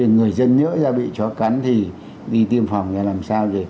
người dân nhỡ ra bị chó cắn thì đi tiêm phòng ra làm sao